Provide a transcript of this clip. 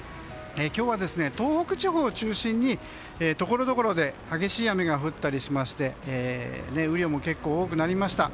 今日は、東北地方を中心にところどころで激しい雨が降ったりしまして雨量も結構多くなりました。